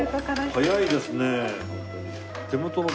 早いですね。